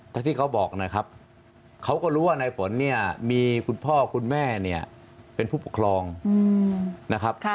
ถ้าที่เขาบอกนะครับเขาก็รู้ว่าในฝนเนี่ยมีคุณพ่อคุณแม่เนี่ยเป็นผู้ปกครองนะครับ